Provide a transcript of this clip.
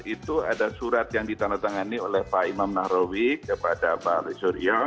itu ada surat yang ditandatangani oleh pak imam nahrawi kepada pak suryo